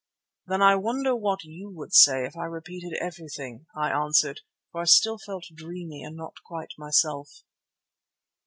"Then I wonder what you would say if I repeated everything," I answered, for I still felt dreamy and not quite myself.